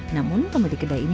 namun pembeli kedai ini